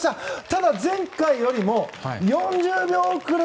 ただ、前回よりも４０秒遅れ。